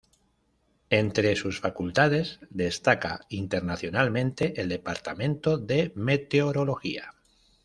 Entre sus facultades destaca internacionalmente el departamento de meteorología.